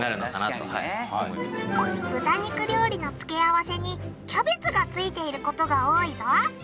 豚肉料理の付け合わせにキャベツが付いている事が多いぞ。